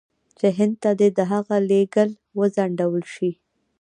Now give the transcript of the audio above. چې هند ته دې د هغه لېږل وځنډول شي.